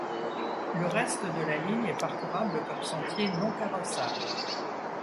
Le reste de la ligne est parcourable comme sentier non carrossable.